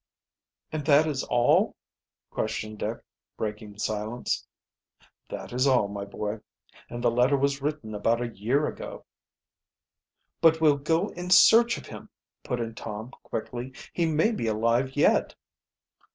"And that is all?" questioned Dick, breaking the silence. "That is all, my boy and the letter was written about a year ago!" "But we'll go in search of him!" put in Tom, quickly. "He may be alive yet."